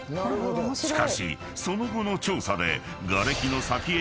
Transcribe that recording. ［しかしその後の調査で］